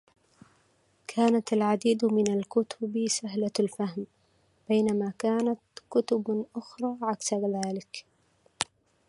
كانت العديد من الكتب سهلة الفهم بينما كانت كتب اخرى عكس ذلك